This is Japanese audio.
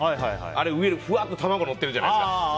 あれ、上にふわっと卵のってるじゃないですか。